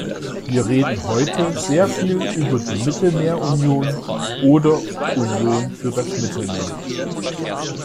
Wir reden heute sehr viel über die Mittelmeerunion oder Union für das Mittelmeer.